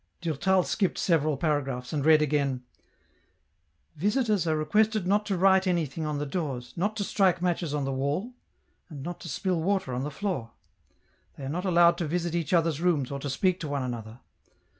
Durtal skipped several paragraphs, and read again :—" Visitors are requested not to write anything on the doors, not to strike matches on the wall, and not to spill water on the floor. " They are not allowed to visit each other's rooms or to speak to one another.